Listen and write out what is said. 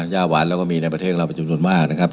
ยาหวานเราก็มีในประเทศเราเป็นจำนวนมากนะครับ